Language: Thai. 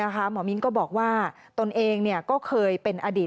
หมอมิ้นก็บอกว่าตนเองก็เคยเป็นอดีต